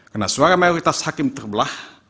karena suara mayoritas hakim terbelah